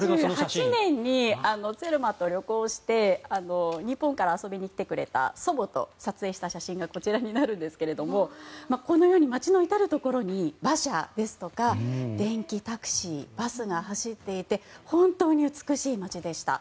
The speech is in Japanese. ９８年にツェルマットを旅行して日本から遊びに来てくれた祖母と撮影した写真がこちらになるんですがこのように街の至るところに馬車ですとか電気タクシーバスが走っていて本当に美しい街でした。